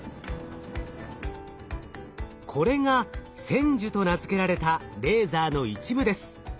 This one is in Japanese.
これが「ＳＥＮＪＵ」と名付けられたレーザーの一部です。